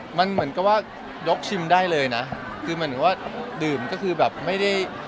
มันเหมือนกับว่ายกชิมได้เลยนะคือหมายถึงว่าดื่มก็คือแบบไม่ได้